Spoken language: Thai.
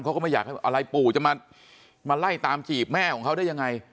ก็ไม่อยากให้อะไรปู่จะมาไล่ตามจีบแม่ของเขาได้ยังไง